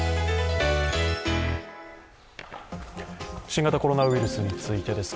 新型コロナウイルスについてです。